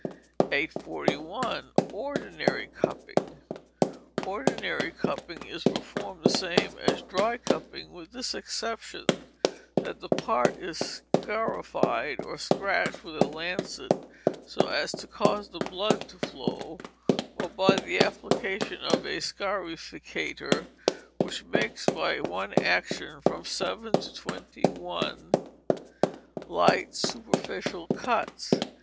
841. Ordinary Cupping Ordinary Cupping is performed the same as dry cupping, with this exception, that the part is scarified or scratched with a lancet, so as to cause the blood to flow; or by the application of a scarificator, which makes by one action from seven to twenty one light superficial cuts.